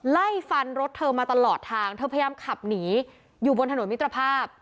ไล่ฟันรถเธอมาตลอดทางเธอพยายามขับหนีอยู่บนถนนมิตรภาพ